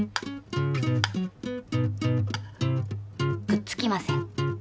くっつきません。